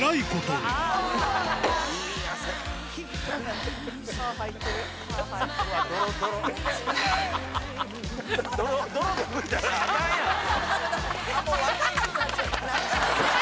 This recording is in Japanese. もう分かんなくなっちゃって。